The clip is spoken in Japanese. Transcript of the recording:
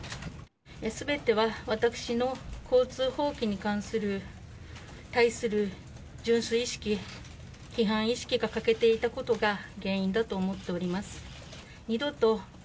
すべては私の交通法規に対する順守意識、規範意識が欠けていたことが原因だと思っております。